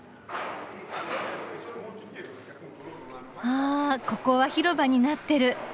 あここは広場になってる。